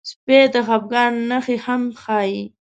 سپي د خپګان نښې هم ښيي.